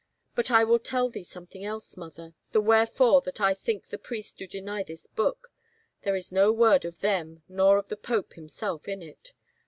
But I will tell thee something else, mother, the wherefore that I think the priests do deny this book, there is no word of them nor of the pope himself in it.